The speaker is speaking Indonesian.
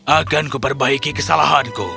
akan kuperbaiki kesalahanku